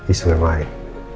isu yang lain